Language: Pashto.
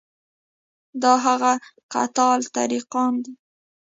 دا هغه قطاع الطریقان دي.